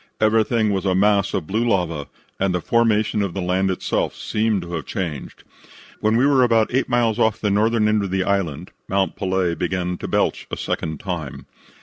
Everything was a mass of blue lava, and the formation of the land itself seemed to have changed. When we were about eight miles off the northern end of the island Mount Pelee began to belch a second time.